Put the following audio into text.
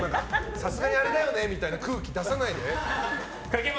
さすがにあれだよねみたいな空気出さないで。